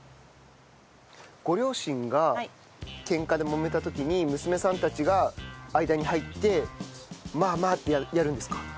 ご両親がケンカでもめた時に娘さんたちが間に入って「まあまあ」ってやるんですか？